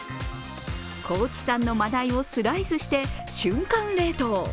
高知産の真だいをスライスして瞬間冷凍。